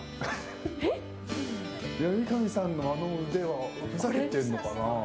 三上さんのあの腕はふざけてるのかな？